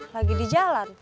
lagi di jalan